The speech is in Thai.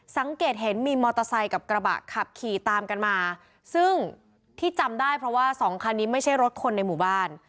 สังเกตเห็นมีมอเตอร์ไซค์กับกระบะขับขี่ตามกันมาซึ่งที่จำได้เพราะว่าสองคันนี้ไม่ใช่รถคนในหมู่บ้าน